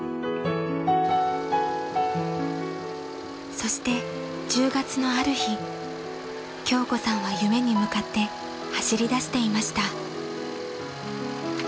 ［そして１０月のある日京子さんは夢に向かって走りだしていました］